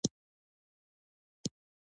د نوښتګرو فکرونو سرچینه ځوانان دي.